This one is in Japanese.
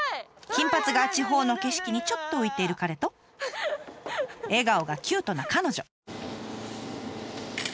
金髪が地方の景色にちょっと浮いている彼と笑顔がキュートな彼女。